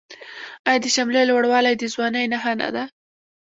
آیا د شملې لوړوالی د ځوانۍ نښه نه ده؟